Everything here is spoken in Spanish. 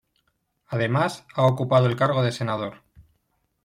Además, ha ocupado el cargo de senador.